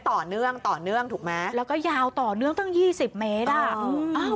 ต่อเนื่องต่อเนื่องถูกไหมแล้วก็ยาวต่อเนื่องตั้งยี่สิบเมตรอ่ะ